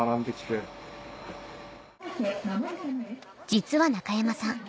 実は中山さん